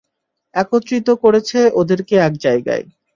একত্রিত করেছে ওদেরকে এক জায়গায়!